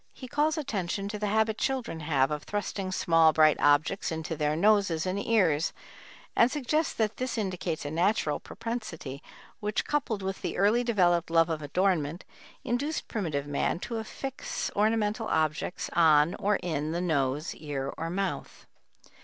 He calls attention to the habit children have of thrusting small bright objects into their noses and ears, and suggests that this indicates a natural propensity which, coupled with the early developed love of adornment, induced primitive man to affix ornamental objects on or in the nose, ear, or mouth.